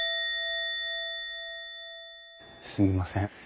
すみません。